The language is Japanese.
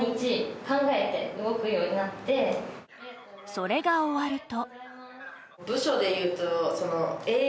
それが終わると。